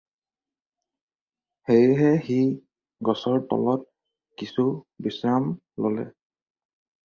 সেয়েহে সি গছৰ তলত কিছু বিশ্ৰাম ল'লে।